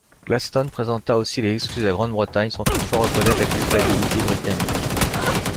Gladstone présenta aussi les excuses de la Grande-Bretagne, sans toutefois reconnaitre la culpabilité britannique.